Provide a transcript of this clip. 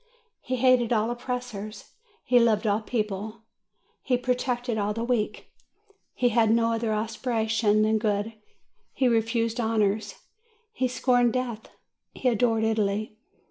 He hated all oppressors, he loved all people, he protected all the weak; he had no other aspiration than 310 THE ARMY 311 good, he refused honors, he scorned death, he adored Italy.